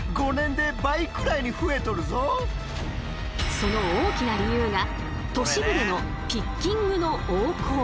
その大きな理由が都市部でのピッキングの横行。